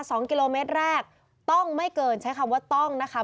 สองกิโลเมตรแรกต้องไม่เกินใช้คำว่าต้องนะคะ